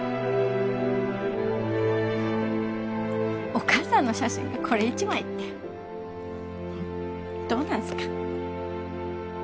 お母さんの写真がこれ１枚ってどうなんすか？